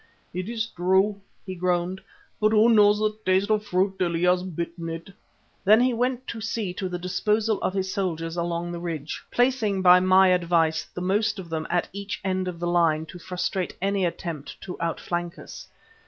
"It is true," he groaned; "but who knows the taste of a fruit till he has bitten it?" Then he went to see to the disposal of his soldiers along the ridge, placing, by my advice, the most of them at each end of the line to frustrate any attempt to out flank us.